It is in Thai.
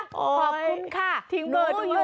ขอบคุณค่ะ